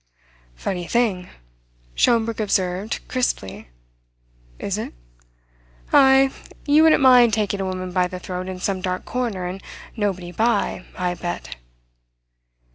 "Funny thing," Schomberg observed crisply. "Is it? Ay, you wouldn't mind taking a woman by the throat in some dark corner and nobody by, I bet!"